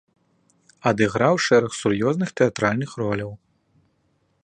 Адыграў шэраг сур'ёзных тэатральных роляў.